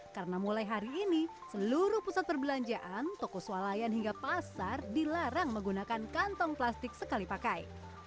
karena mulai hari ini seluruh pusat perbelanjaan toko swalayan hingga pasar dilarang menggunakan kantong plastik sekali pakai